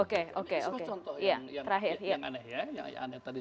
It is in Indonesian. contoh yang aneh